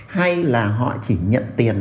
hay là họ chỉ nhận tiền